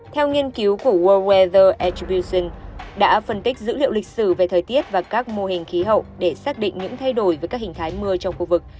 theo nghiên cứu của world wester ealition đã phân tích dữ liệu lịch sử về thời tiết và các mô hình khí hậu để xác định những thay đổi với các hình thái mưa trong khu vực